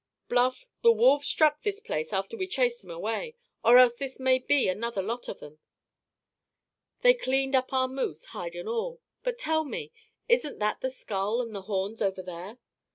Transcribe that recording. "Bluff, the wolves struck this place after we chased 'em away; or else this may have been another lot of them. They cleaned up our moose, hide and all. But, tell me, isn't that the skull and the horns over there?"